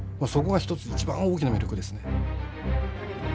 そこが一つ一番大きな魅力ですね。